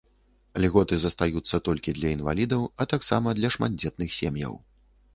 Льготы застаюцца толькі для інвалідаў, а таксама для шматдзетных сем'яў.